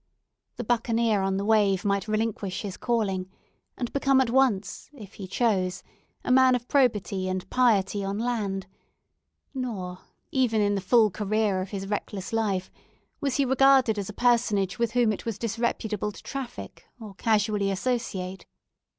The buccaneer on the wave might relinquish his calling and become at once if he chose, a man of probity and piety on land; nor, even in the full career of his reckless life, was he regarded as a personage with whom it was disreputable to traffic or casually associate.